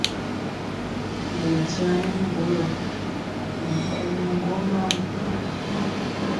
Mɛ njaŋ nɛ mbulɔ, mɛ komɔ ŋgomam.